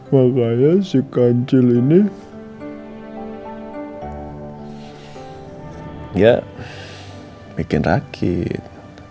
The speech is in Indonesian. makanya si kancil ini bikin rakit